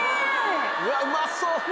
うわうまそう！